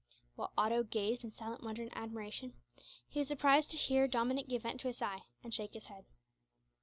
While Otto gazed in silent wonder and admiration, he was surprised to hear Dominick give vent to a sigh, and shake his head.